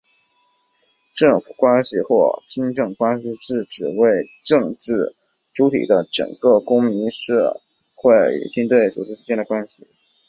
政军关系或军政关系是指作为政治主体的整个公民社会与军队组织之间的关系。